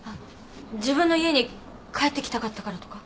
自分の家に帰ってきたかったからとか？